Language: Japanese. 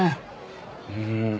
うん。